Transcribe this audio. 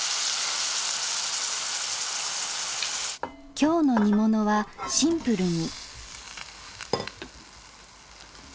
今日の煮物はシンプルに。